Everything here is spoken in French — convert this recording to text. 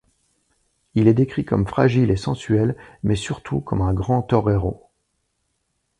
Il est décrit comme fragile et sensuel, mais surtout comme un grand torero.